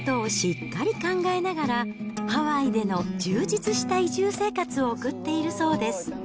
家計のことをしっかり考えながら、ハワイでの充実した移住生活を送っているそうです。